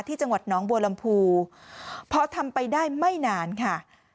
ที่จังหวัดน้องบัวลำพูพอทำไปได้ไม่นานค่ะ